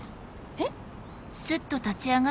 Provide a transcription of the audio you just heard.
えっ？